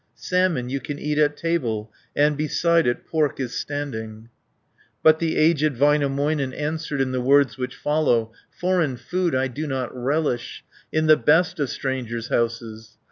Salmon you can eat at table, And beside it pork is standing." But the aged Väinämöinen Answered in the words which follow: "Foreign food I do not relish, In the best of strangers' houses.